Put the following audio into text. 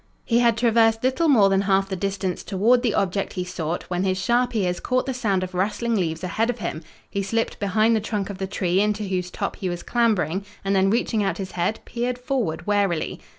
He had traversed little more than half the distance toward the object he sought when his sharp ears caught the sound of rustling leaves ahead of him. He slipped behind the trunk of the tree into whose top he was clambering and then, reaching out his head, peered forward warily.